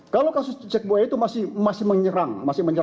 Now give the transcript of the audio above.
kalau kasus cek buaya itu masih menyerang